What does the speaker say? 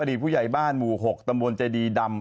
ผู้ใหญ่บ้านหมู่๖ตำบลเจดีดำ